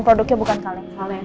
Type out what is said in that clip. produknya bukan kaleng kaleng